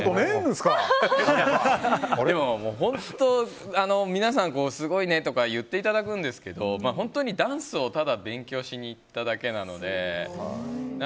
でも、本当皆さんにすごいねとか言っていただくんですが本当にダンスをただ勉強しに行っただけなので。